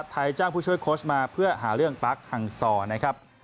จ้างผู้ช่วยโค้ชมาเพื่อหาเรื่องปาร์คฮังซอร์นะครับ